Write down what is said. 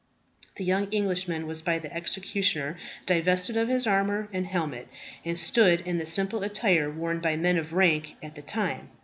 The young Englishman was by the executioner divested of his armour and helmet, and stood in the simple attire worn by men of rank at that time.